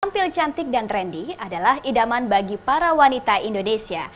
tampil cantik dan trendy adalah idaman bagi para wanita indonesia